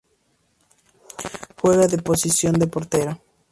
Juega de posición de Portero.